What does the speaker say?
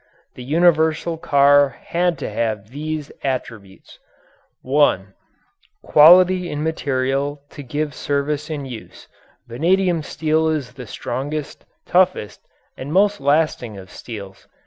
The universal car had to have these attributes: (1) Quality in material to give service in use. Vanadium steel is the strongest, toughest, and most lasting of steels.